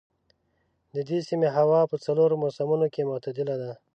د دې سيمې هوا په څلورو موسمونو کې معتدله ده.